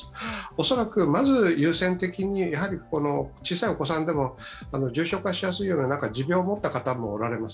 恐らく、まず優先的に、小さいお子さんでも重症化しやすいような持病を持った方もおられます。